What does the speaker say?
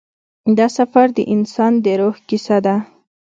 دا سفر د انسان د روح کیسه ده.